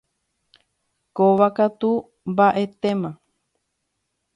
Kóva katu mbaʼetéma.